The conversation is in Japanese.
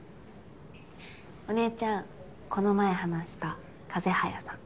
お姉ちゃんこの前話した風早さん。